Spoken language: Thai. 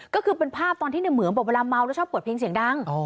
ก็คือเป็นภาพตอนที่ในเหมืองบอกเวลาเมาแล้วชอบเปิดเพลงเสียงดัง